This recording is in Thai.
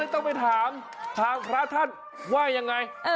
ต้องต้องไปถามถามพระท่านว่ายังไงเออ